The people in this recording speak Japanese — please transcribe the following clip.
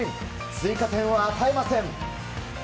追加点を与えません。